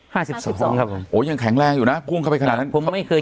สิบสองคนครับผมโอ้ยังแข็งแรงอยู่นะพุ่งเข้าไปขนาดนั้นผมไม่เคย